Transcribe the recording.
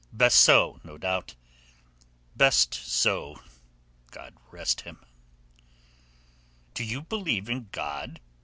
Best so, no doubt. Best so! God rest him!" "Do you believe in God?"